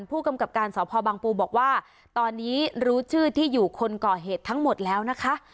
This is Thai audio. ผู้กำกับการสพบังปูบอกว่าตอนนี้รู้ชื่อที่อยู่คนก่อเหตุทั้งหมดแล้วนะคะ